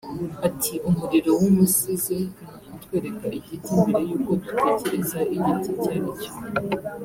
Ati “Umurimo w’umusizi ni ukutwereka igiti mbere y’uko dutekereza igiti icyo ari cyo